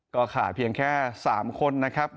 ก็ขาดเพียงแค่๓คนนะครับ